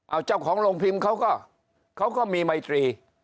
เอาเจ้าของโรงพิมพ์เขาก็เขาก็มีไมตรี